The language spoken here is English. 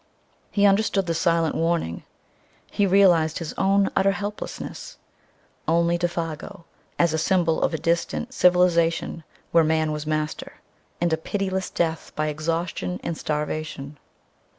He understood the silent warning. He realized his own utter helplessness. Only Défago, as a symbol of a distant civilization where man was master, stood between him and a pitiless death by exhaustion and starvation.